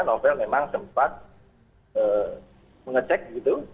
novel memang sempat mengecek gitu